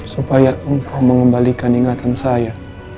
supaya engkau mengembalikan ingatan saya